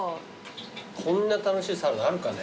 こんな楽しいサラダあるかね？